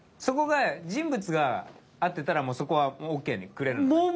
そこが人物が合ってたらもうそこはオッケーくれるのね？